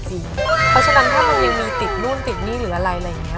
เพราะฉะนั้นถ้ามันยังมีติดนู่นติดนี่หรืออะไรอะไรอย่างนี้